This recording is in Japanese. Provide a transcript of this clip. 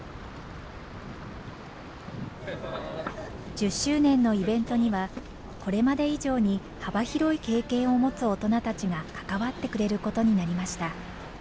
１０周年のイベントにはこれまで以上に幅広い経験を持つ大人たちが関わってくれることになりました。